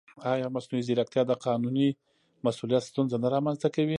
ایا مصنوعي ځیرکتیا د قانوني مسؤلیت ستونزه نه رامنځته کوي؟